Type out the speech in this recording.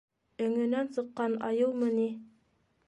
Өңөнән сыҡҡан айыумы ни?!